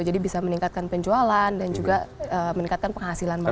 jadi bisa meningkatkan penjualan dan juga meningkatkan penghasilan mereka